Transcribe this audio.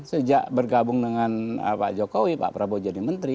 sejak bergabung dengan pak jokowi pak prabowo jadi menteri